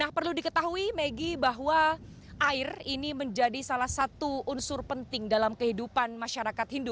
perlu diketahui megi bahwa air ini menjadi salah satu unsur penting dalam kehidupan masyarakat hindu